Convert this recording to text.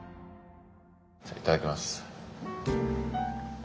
じゃあいただきます。